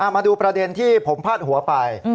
มาดูประเด็นที่ผมพาดหัวไป